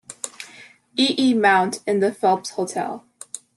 E. E. Mount in the Phelps Hotel.